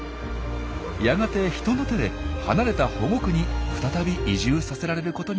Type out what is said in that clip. やがて人の手で離れた保護区に再び移住させられることになったんです。